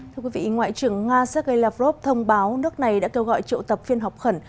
thưa quý vị ngoại trưởng nga sergei lavrov thông báo nước này đã kêu gọi triệu tập phiên họp khẩn